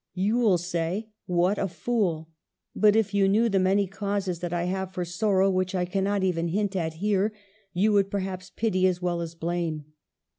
You will say :' What a fool !' But if you knew the many causes that I have for sorrow, which I cannot even hint at here, you would perhaps pity as well as blame.